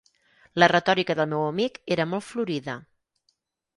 La retòrica del meu amic era molt florida.